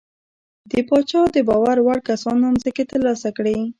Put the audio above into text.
د پاچا د باور وړ کسانو ځمکې ترلاسه کړې.